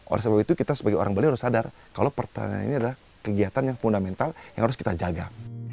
oleh sebab itu kita sebagai orang bali harus sadar kalau pertanian ini adalah kegiatan yang fundamental yang harus kita jaga